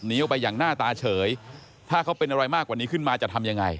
ออกไปอย่างหน้าตาเฉยถ้าเขาเป็นอะไรมากกว่านี้ขึ้นมาจะทำยังไง